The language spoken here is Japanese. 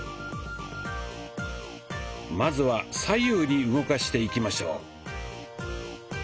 まずは左右に動かしていきましょう。